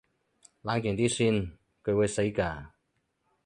冷靜啲先，佢會死㗎